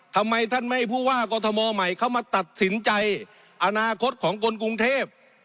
ทำไมท่านไม่ให้ผู้ว่ากอทมใหม่เข้ามาตัดสินใจอนาคตของคนกรุงเทพ